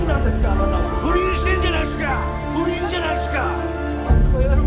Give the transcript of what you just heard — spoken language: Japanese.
あなたは不倫してんじゃないっすか不倫じゃないっすかバカ野郎